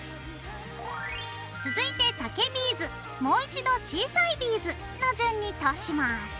続いて竹ビーズもう一度小さいビーズの順に通します。